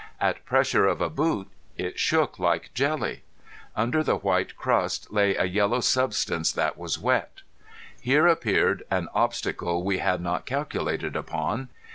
At pressure of a boot it shook like jelly. Under the white crust lay a yellow substance that was wet. Here appeared an obstacle we had not calculated upon.